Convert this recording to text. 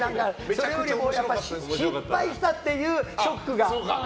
それよりも失敗したっていうショックが。